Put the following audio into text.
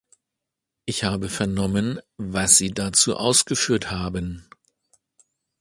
Ich habe vernommen, was Sie dazu ausgeführt haben.